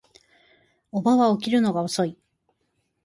叔母は起きるのが遅い